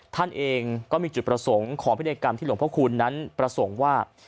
ท่านเองก็มีจุดประสงค์ของพินัยกรรมที่หลวงพระคุณนั้นประสงค์ว่า